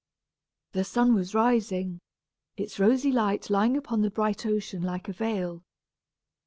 The sun was rising, its rosy light lying upon the bright ocean like a veil.